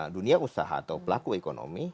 dunia usaha atau pelaku ekonomi